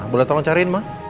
boleh tolong cariin ma